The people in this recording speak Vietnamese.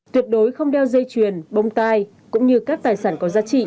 tuyệt đối không đeo dây chuyền bông tai cũng như các tài sản có giá trị